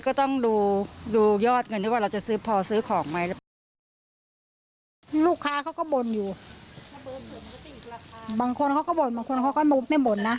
ก็ต้องดูยอดเงินได้ว่าเราจะซื้อพอซื้อของไหม